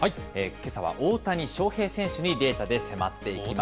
けさは大谷翔平選手にデータで迫っていきます。